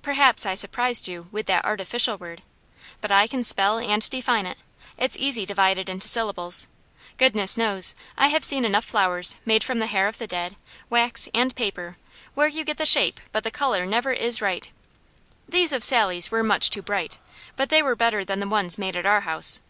Perhaps I surprised you with that artificial word, but I can spell and define it; it's easy divided into syllables. Goodness knows, I have seen enough flowers made from the hair of the dead, wax, and paper, where you get the shape, but the colour never is right. These of Sally's were much too bright, but they were better than the ones made at our house.